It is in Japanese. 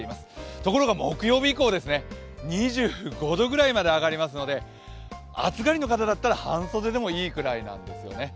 ところが木曜日以降、２５度くらいまで上がりますので暑がりの方だったら半袖でもいいくらいなんですよね。